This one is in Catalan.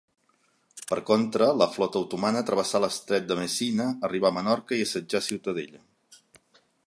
Per contra, la flota otomana travessà l'estret de Messina, arribà a Menorca i assetjà Ciutadella.